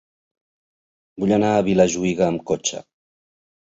Vull anar a Vilajuïga amb cotxe.